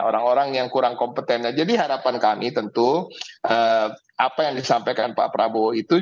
orang orang yang kurang kompetennya jadi harapan kami tentu apa yang disampaikan pak prabowo itu